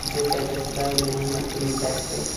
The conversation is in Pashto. مځکه د خدای له نعمتونو ډکه ده.